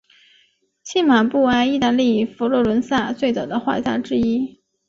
契马布埃意大利佛罗伦萨最早的画家之一。